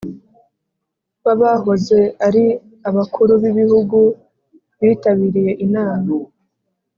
w Abahoze ari abakuru b ibihugu bitabiriye inama